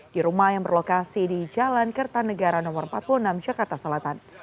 di rumah yang berlokasi di jalan kertanegara no empat puluh enam jakarta selatan